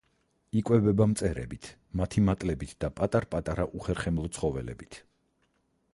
იკვებება მწერებით, მათი მატლებით და პატარ-პატარა უხერხემლო ცხოველებით.